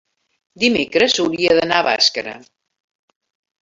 dimecres hauria d'anar a Bàscara.